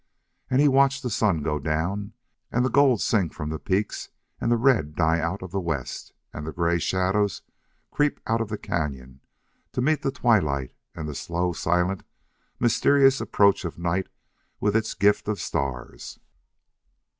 And he watched the sun go down and the gold sink from the peaks and the red die out of the west and the gray shadows creep out of the cañon to meet the twilight and the slow, silent, mysterious approach of night with its gift of stars.